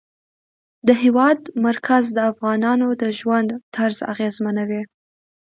د هېواد مرکز د افغانانو د ژوند طرز اغېزمنوي.